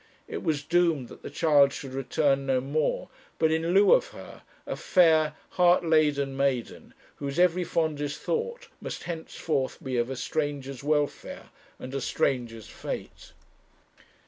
It was doomed that the child should return no more; but in lieu of her, a fair, heart laden maiden, whose every fondest thought must henceforth be of a stranger's welfare and a stranger's fate.